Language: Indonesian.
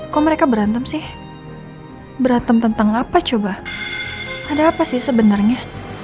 kok mereka berantem sih berantem tentang apa coba ada apa sih sebenarnya